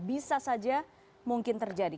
bisa saja mungkin terjadi